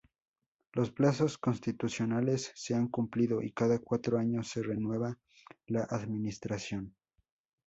Los plazos constitucionales se han cumplido y cada cuatro años se renueva la administración.